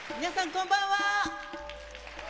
こんばんは！